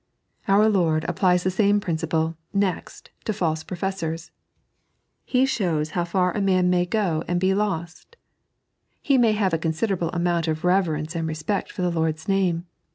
Onr Iiord applies the same principle, next, to fidae pro femcrt. He shows how far a man may go and be lost. He may have a considerable amount of reverence and respect for the Lord's name.